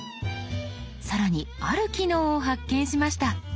更にある機能を発見しました。